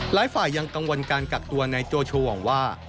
หลายฝ่ายังกังวลกับทุกในโจชวงศ์ว่า